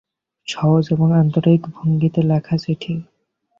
সহজ এবং আন্তরিক ভঙ্গিতে লেখা চিঠি।